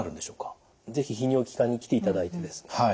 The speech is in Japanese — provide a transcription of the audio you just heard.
是非泌尿器科に来ていただいてですね